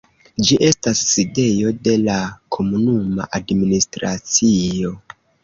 Ĝi estas sidejo de la komunuma administracio.